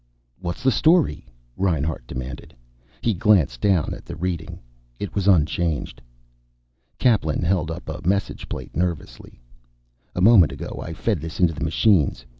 "What's the story?" Reinhart demanded. He glanced down at the reading. It was unchanged. Kaplan held up a message plate nervously. "A moment ago I fed this into the machines.